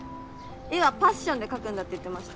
絵はパッションで描くんだって言ってました。